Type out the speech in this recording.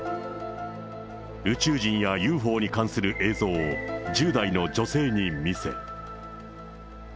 宇宙人やＵＦＯに関する映像を１０代の女性に見せ。